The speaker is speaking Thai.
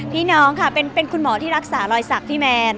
พี่น้องค่ะเป็นคุณหมอที่รักษารอยสักพี่แมน